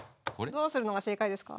どうするのが正解ですか？